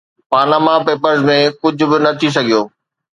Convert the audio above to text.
Panama Papers ۾ ڪجهه به نه ٿي سگهيو.